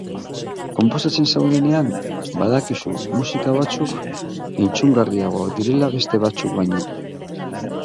Konposatzen zaudenean badakizu musika batzuk entzungarriagoak direla beste batzuk baino.